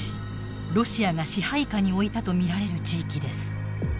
ロシアが支配下に置いたと見られる地域です。